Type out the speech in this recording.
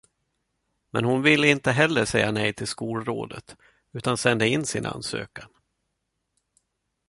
Men hon ville inte heller säga nej till skolrådet utan sände in sin ansökan.